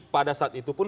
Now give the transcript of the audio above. pada saat itu pun